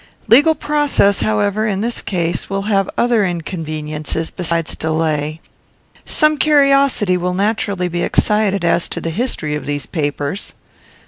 Legal process, however, in this case, will have other inconveniences besides delay. Some curiosity will naturally be excited, as to the history of these papers.